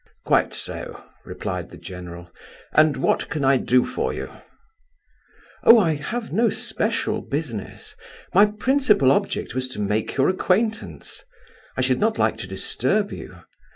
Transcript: "Quite so," replied the general, "and what can I do for you?" "Oh, I have no special business; my principal object was to make your acquaintance. I should not like to disturb you.